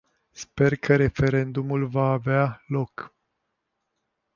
Sper că referendumul va avea loc.